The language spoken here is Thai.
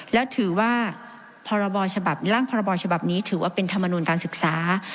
และถือว่าร่างพอรบอฉบับนี้ถือว่าเป็นธรรมนุนการศึกษา